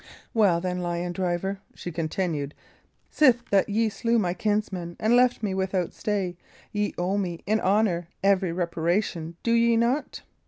"Well, then, lion driver," she continued, "sith that ye slew my kinsman, and left me without stay, ye owe me, in honour, every reparation; do ye not?"